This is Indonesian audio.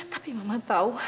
tapi mama tahu